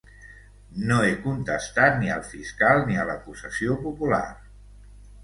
No he contestat ni al fiscal ni a l’acusació popular.